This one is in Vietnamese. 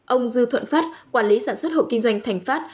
ông dư thuận pháp quản lý sản xuất hộ kinh doanh thành pháp